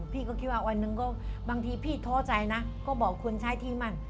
พี่ก็คิดว่าวันหนึ่งก็บางทีพี่ท้อใจนะก็บอกคนใช้ที่มั่น